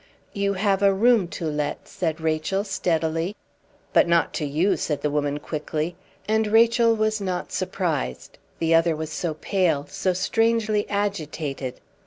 "You have a room to let," said Rachel, steadily. "But not to you," said the woman, quickly; and Rachel was not surprised, the other was so pale, so strangely agitated.